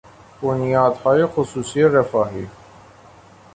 بنیادهای خصوصی رفاهی